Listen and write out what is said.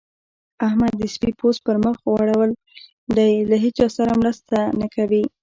احمد د سپي پوست پر مخ غوړول دی؛ له هيچا سره مرسته نه کوي.